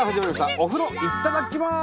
お風呂いっただっきます！